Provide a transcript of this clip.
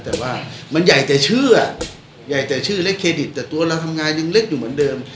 แต่ว่ามันใหญ่แต่ชื่อใหญ่แต่ชื่อเล็กเครดิตแต่ตัวเราทำงานยังเล็กอยู่เหมือนเดิม